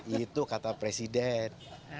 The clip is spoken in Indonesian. itu kata presiden